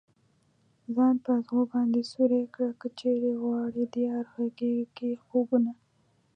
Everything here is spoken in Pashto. ځان په ازغو باندې سوری كړه كه چېرې غواړې ديار غېږه كې خوبونه